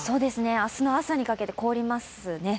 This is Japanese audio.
明日の朝にかけて凍りますね。